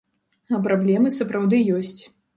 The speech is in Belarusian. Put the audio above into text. А праблемы сапраўды ёсць.